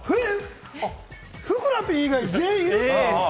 ふくらＰ以外、全員「いる」。